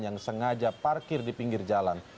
yang sengaja parkir di pinggir jalan